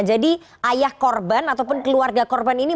jadi ayah korban ataupun keluarga korban ini